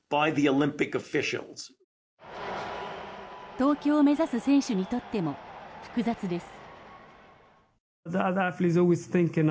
東京を目指す選手にとっても複雑です。